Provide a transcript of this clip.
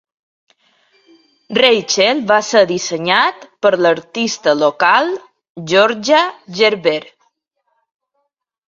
"Rachel" va ser dissenyat per l'artista local Georgia Gerber.